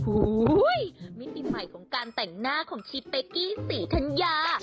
ฮือมิติใหม่ของการแต่งหน้าของชีบเป๊กกี้สีทัญญา